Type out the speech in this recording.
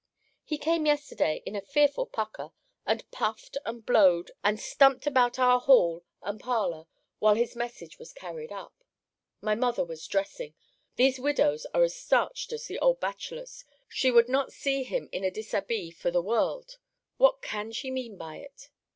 He came yesterday, in a fearful pucker, and puffed, and blowed, and stumped about our hall and parlour, while his message was carried up. My mother was dressing. These widows are as starched as the old bachelors. She would not see him in a dishabille for the world What can she mean by it?